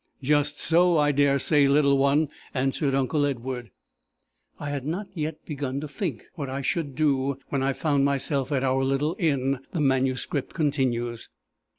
"Just so, I daresay, little one!" answered uncle Edward. "I had not yet begun to think what I should do, when I found myself at our little inn," the manuscript continues.